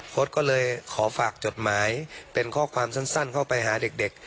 ก็เลยขอฝากจดหมายเป็นข้อความสั้นเข้าไปหาเด็ก